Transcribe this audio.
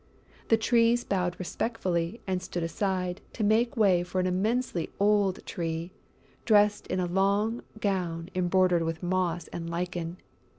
The Trees bowed respectfully and stood aside to make way for an immensely old Tree, dressed in a long gown embroidered with moss and lichen.